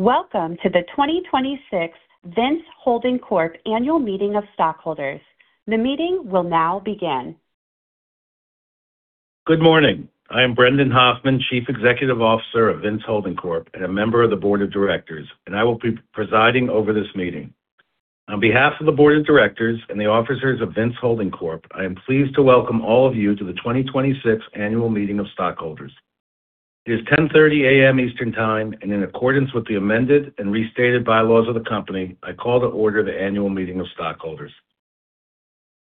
Welcome to the 2026 Vince Holding Corp Annual Meeting of Stockholders. The meeting will now begin. Good morning. I am Brendan Hoffman, Chief Executive Officer of Vince Holding Corp., and a member of the Board of Directors, and I will be presiding over this meeting. On behalf of the Board of Directors and the officers of Vince Holding Corp., I am pleased to welcome all of you to the 2026 Annual Meeting of Stockholders. It is 10:30 A.M. Eastern Time, and in accordance with the amended and restated bylaws of the company, I call to order the Annual Meeting of Stockholders.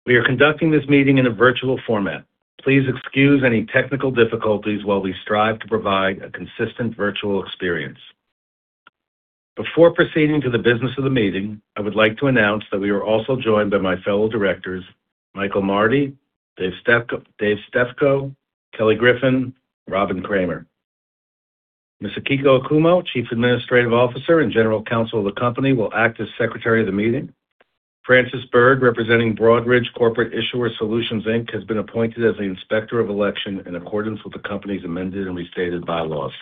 We are conducting this meeting in a virtual format. Please excuse any technical difficulties while we strive to provide a consistent virtual experience. Before proceeding to the business of the meeting, I would like to announce that we are also joined by my fellow directors, Michael Mardy, David Stefko, Kelly Griffin, Robin Kramer. Ms. Akiko Okuma, Chief Administrative Officer and General Counsel of the company, will act as Secretary of the meeting. Francis Bird, representing Broadridge Corporate Issuer Solutions Inc., has been appointed as the Inspector of Election in accordance with the company's amended and restated bylaws.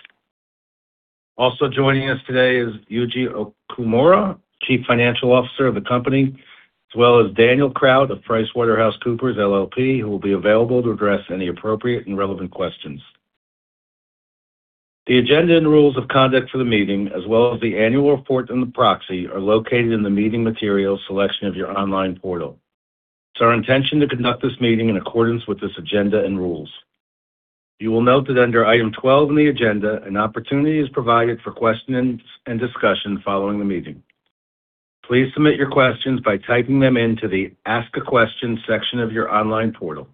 Joining us today is Yuji Okumura, Chief Financial Officer of the company, as well as Daniel Crow of PricewaterhouseCoopers LLP, who will be available to address any appropriate and relevant questions. The agenda and rules of conduct for the meeting, as well as the annual report and the proxy, are located in the meeting materials section of your online portal. It's our intention to conduct this meeting in accordance with this agenda and rules. You will note that under item 12 in the agenda, an opportunity is provided for questions and discussion following the meeting. Please submit your questions by typing them into the Ask a Question section of your online portal.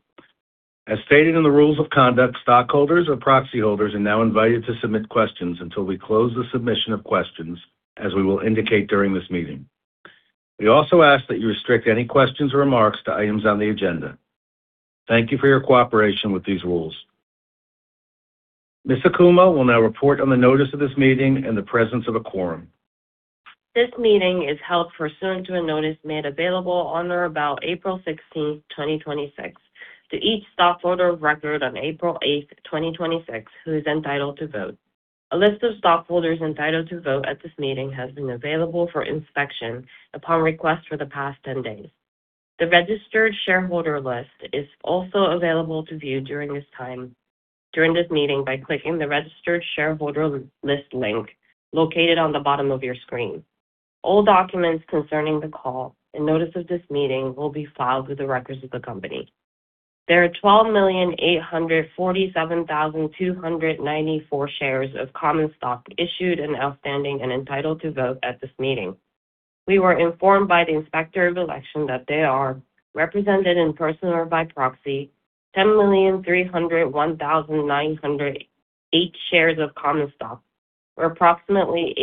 As stated in the rules of conduct, stockholders or proxy holders are now invited to submit questions until we close the submission of questions, as we will indicate during this meeting. We also ask that you restrict any questions or remarks to items on the agenda. Thank you for your cooperation with these rules. Ms. Okuma will now report on the notice of this meeting and the presence of a quorum. This meeting is held pursuant to a notice made available on or about April 16th, 2026, to each stockholder of record on April 8th, 2026, who is entitled to vote. A list of stockholders entitled to vote at this meeting has been available for inspection upon request for the past 10 days. The registered shareholder list is also available to view during this meeting by clicking the Registered Shareholder List link located on the bottom of your screen. All documents concerning the call and notice of this meeting will be filed with the records of the company. There are 12,847,294 shares of common stock issued and outstanding and entitled to vote at this meeting. We were informed by the Inspector of Election that they are represented in person or by proxy 10,301,908 shares of common stock, or approximately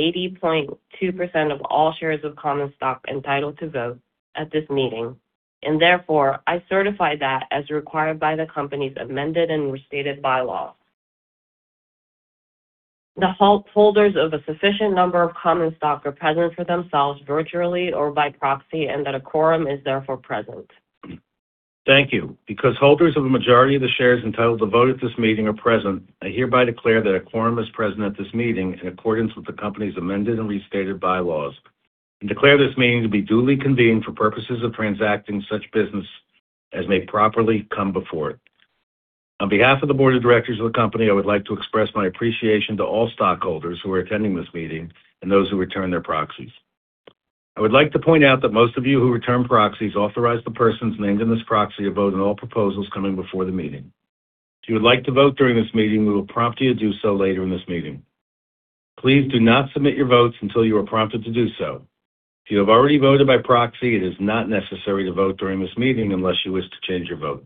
80.2% of all shares of common stock entitled to vote at this meeting. Therefore, I certify that, as required by the company's amended and restated bylaws. The holders of a sufficient number of common stock are present for themselves, virtually or by proxy, and that a quorum is therefore present. Thank you. Because holders of the majority of the shares entitled to vote at this meeting are present, I hereby declare that a quorum is present at this meeting in accordance with the company's amended and restated bylaws, and declare this meeting to be duly convened for purposes of transacting such business as may properly come before it. On behalf of the Board of Directors of the company, I would like to express my appreciation to all stockholders who are attending this meeting and those who returned their proxies. I would like to point out that most of you who returned proxies authorized the persons named in this proxy to vote on all proposals coming before the meeting. If you would like to vote during this meeting, we will prompt you to do so later in this meeting. Please do not submit your votes until you are prompted to do so. If you have already voted by proxy, it is not necessary to vote during this meeting unless you wish to change your vote.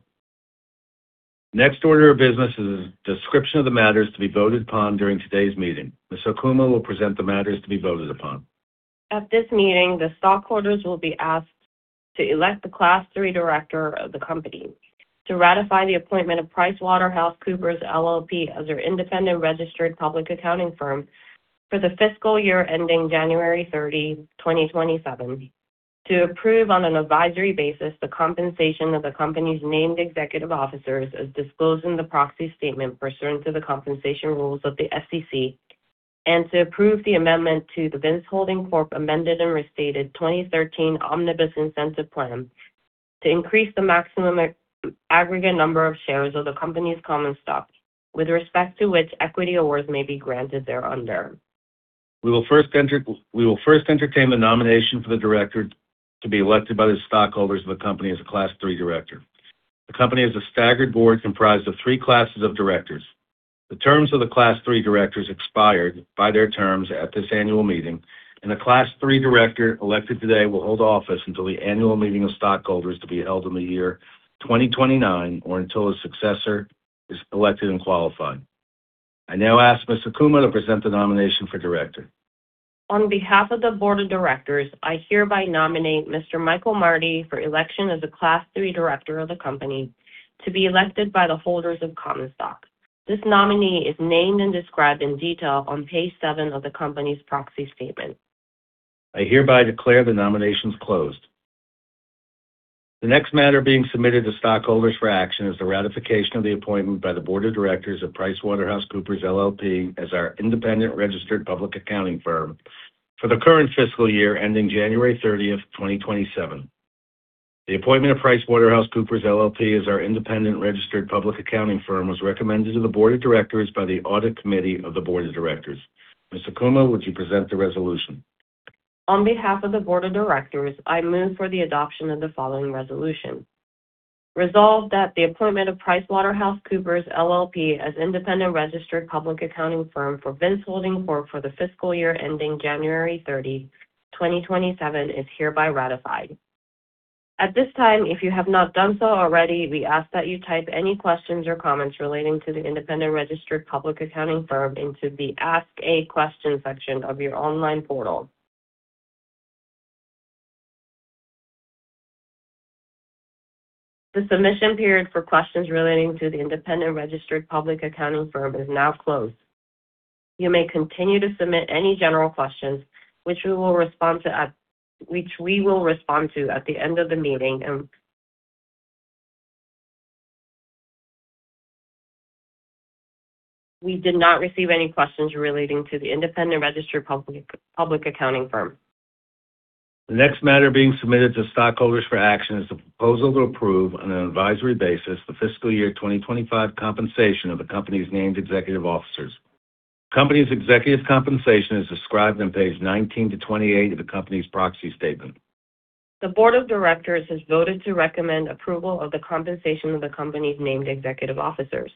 Next order of business is a description of the matters to be voted upon during today's meeting. Ms. Okuma will present the matters to be voted upon. At this meeting, the stockholders will be asked to elect the Class III Director of the company, to ratify the appointment of PricewaterhouseCoopers LLP as their independent registered public accounting firm for the fiscal year ending January 30, 2027, to approve on an advisory basis the compensation of the company's named executive officers as disclosed in the Proxy Statement pursuant to the compensation rules of the SEC, and to approve the amendment to the Vince Holding Corp. Amended and Restated 2013 Omnibus Incentive Plan to increase the maximum aggregate number of shares of the company's common stock with respect to which equity awards may be granted thereunder. We will first entertain the nomination for the director to be elected by the stockholders of the company as a Class III director. The company has a staggered board comprised of 3 classes of directors. The terms of the Class III directors expired by their terms at this annual meeting, and a Class III director elected today will hold office until the annual meeting of stockholders to be held in the year 2029, or until a successor is elected and qualified. I now ask Ms. Okuma to present the nomination for director. On behalf of the Board of Directors, I hereby nominate Mr. Michael Mardy for election as a Class III Director of the company to be elected by the holders of common stock. This nominee is named and described in detail on page seven of the company's Proxy Statement. I hereby declare the nominations closed. The next matter being submitted to stockholders for action is the ratification of the appointment by the Board of Directors of PricewaterhouseCoopers LLP as our independent registered public accounting firm for the current fiscal year ending January 30, 2027. The appointment of PricewaterhouseCoopers LLP as our independent registered public accounting firm was recommended to the Board of Directors by the Audit Committee of the Board of Directors. Ms. Okuma, would you present the resolution? On behalf of the Board of Directors, I move for the adoption of the following resolution. Resolved, that the appointment of PricewaterhouseCoopers LLP as independent registered public accounting firm for Vince Holding Corp. for the fiscal year ending January 30, 2027 is hereby ratified. At this time, if you have not done so already, we ask that you type any questions or comments relating to the independent registered public accounting firm into the Ask a Question section of your online portal. The submission period for questions relating to the independent registered public accounting firm is now closed. You may continue to submit any general questions, which we will respond to at the end of the meeting. We did not receive any questions relating to the independent registered public accounting firm. The next matter being submitted to stockholders for action is the proposal to approve, on an advisory basis, the fiscal year 2025 compensation of the company's named executive officers. Company's executive compensation is described on page 19-28 of the company's Proxy Statement. The Board of Directors has voted to recommend approval of the compensation of the company's named executive officers.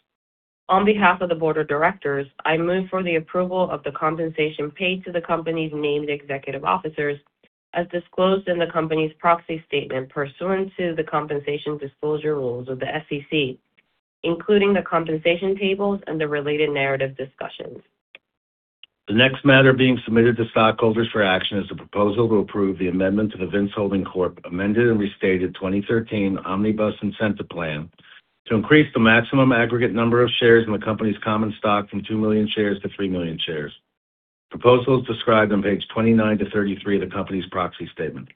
On behalf of the Board of Directors, I move for the approval of the compensation paid to the company's named executive officers as disclosed in the company's Proxy Statement pursuant to the compensation disclosure rules of the SEC, including the compensation tables and the related narrative discussions. The next matter being submitted to stockholders for action is the proposal to approve the amendment to the Vince Holding Corp. Amended and Restated 2013 Omnibus Incentive Plan to increase the maximum aggregate number of shares in the company's common stock from 2 million shares to 3 million shares. Proposal is described on page 29-33 of the company's Proxy Statement.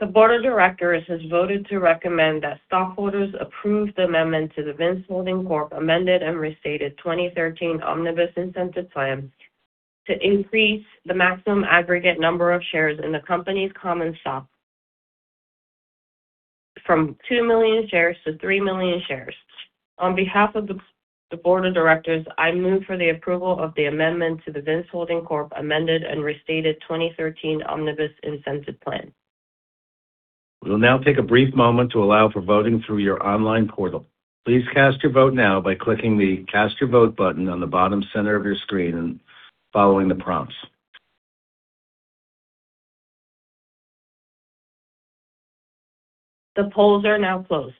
The Board of Directors has voted to recommend that stockholders approve the amendment to the Vince Holding Corp. Amended and Restated 2013 Omnibus Incentive Plan to increase the maximum aggregate number of shares in the company's common stock from 2 million shares to 3 million shares. On behalf of the Board of Directors, I move for the approval of the amendment to the Vince Holding Corp. Amended and Restated 2013 Omnibus Incentive Plan. We will now take a brief moment to allow for voting through your online portal. Please cast your vote now by clicking the Cast Your Vote button on the bottom center of your screen and following the prompts. The polls are now closed.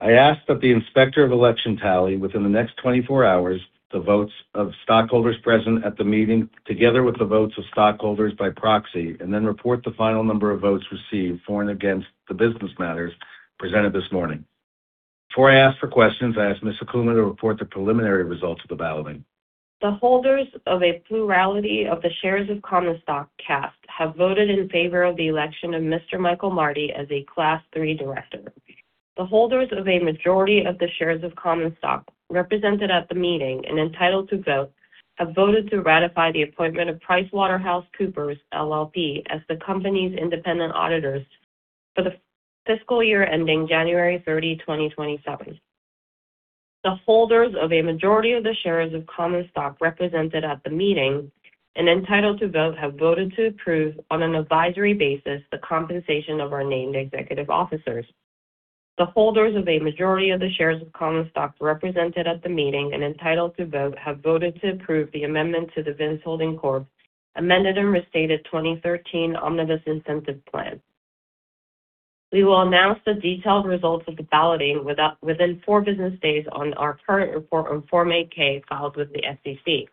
I ask that the Inspector of Election tally within the next 24 hours the votes of stockholders present at the meeting, together with the votes of stockholders by proxy, and then report the final number of votes received for and against the business matters presented this morning. Before I ask for questions, I ask Ms. Okuma to report the preliminary results of the balloting. The holders of a plurality of the shares of common stock cast have voted in favor of the election of Mr. Michael Mardy as a Class III director. The holders of a majority of the shares of common stock represented at the meeting and entitled to vote have voted to ratify the appointment of PricewaterhouseCoopers LLP as the company's independent auditors for the fiscal year ending January 30, 2027. The holders of a majority of the shares of common stock represented at the meeting and entitled to vote have voted to approve, on an advisory basis, the compensation of our named executive officers. The holders of a majority of the shares of common stock represented at the meeting and entitled to vote have voted to approve the amendment to the Vince Holding Corp. Amended and Restated 2013 Omnibus Incentive Plan. We will announce the detailed results of the balloting within four business days on our current report on Form 8-K filed with the SEC.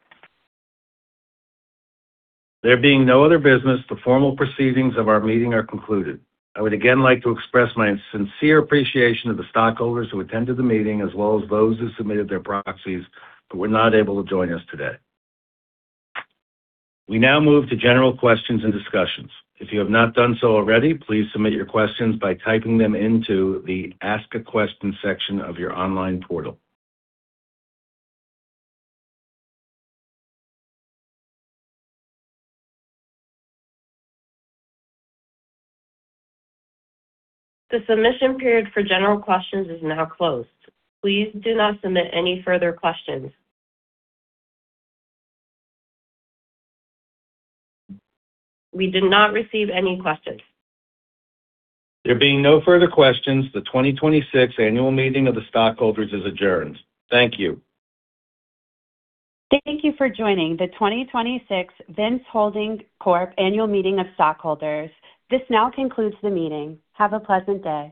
There being no other business, the formal proceedings of our meeting are concluded. I would again like to express my sincere appreciation of the stockholders who attended the meeting as well as those who submitted their proxies but were not able to join us today. We now move to general questions and discussions. If you have not done so already, please submit your questions by typing them into the Ask a Question section of your online portal. The submission period for general questions is now closed. Please do not submit any further questions. We did not receive any questions. There being no further questions, the 2026 annual meeting of the stockholders is adjourned. Thank you. Thank you for joining the 2026 Vince Holding Corp annual meeting of stockholders. This now concludes the meeting. Have a pleasant day.